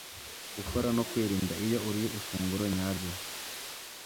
gukora no kwirinda.iyo uriye ifunguro nyaryo